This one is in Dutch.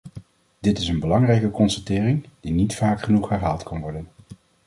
Dit is een belangrijke constatering, die niet vaak genoeg herhaald kan worden.